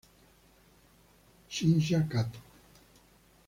Shinya Kato